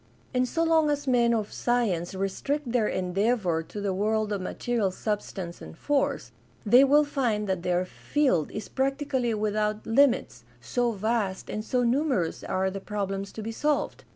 And so long as men of science restrict their endeavor to the world of material substance and force, they will find that their field is practically without limits, so vast and so numerous are the prob lems to be solved.